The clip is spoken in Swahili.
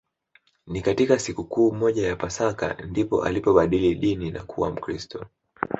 Ni katika sikukuu moja ya Pasaka ndipo alipobadili dini na kuwa Mkristo